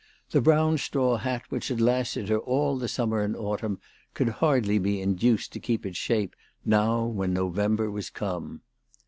The brown straw hat which had lasted her all the summer and autumn could hardly be induced to keep its shape now when November was come.